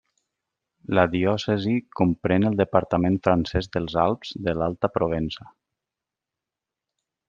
La diòcesi comprèn el departament francès dels Alps de l'Alta Provença.